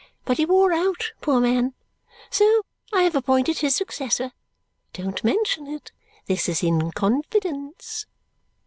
But he wore out, poor man, so I have appointed his successor. Don't mention it. This is in confidence."